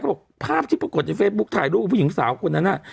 บอกภาพที่ปรากฏในเฟซบุ๊คถ่ายรูปกับผู้หญิงสาวคนนั้นน่ะ